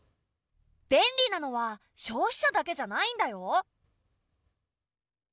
便利なのは消費者だけじゃないんだよ。